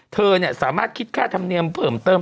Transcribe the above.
เธอสามารถคิดค่าธรรมเนียมเพิ่มเติม